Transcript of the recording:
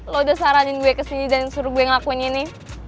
lo udah saranin gue kesini dan suruh gue yang ngelakuin ini